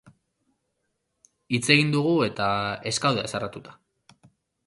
Hitz egin dugu eta ez gaude haserretuta.